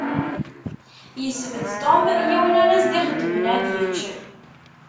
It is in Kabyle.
Yesbedd Tom yiwen ara s-d-ixeddmen ad yečč.